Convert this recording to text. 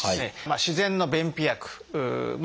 自然の便秘薬まあ